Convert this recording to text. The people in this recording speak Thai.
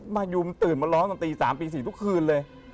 มายุมตื่นมาร้องตอนตี๓ตี๔ทุกคืนเลย